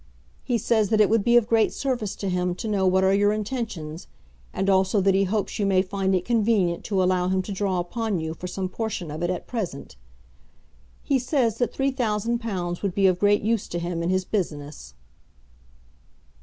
He says that it would be of great service to him to know what are your intentions; and also that he hopes you may find it convenient to allow him to draw upon you for some portion of it at present. He says that £3000 would be of great use to him in his business."